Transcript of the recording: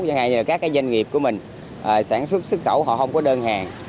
cho ngay như là các cái doanh nghiệp của mình sản xuất sức khẩu họ không có đơn hàng